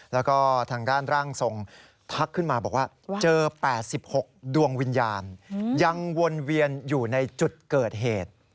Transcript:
แล้วก็ทางด้านร่างทรงทักขึ้นมาบอกว่าเจอ๘๖ดวงวิญญาณยังวนเวียนอยู่ในจุดเกิดเหตุ